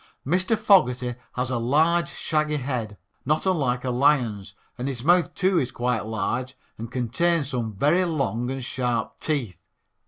Mr. Fogerty has a large, shaggy head, not unlike a lion's, and his mouth, too, is quite large and contains some very long and sharp teeth.